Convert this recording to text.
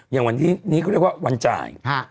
อย่างวันนี้ก็เรียกว่าวันจ่าย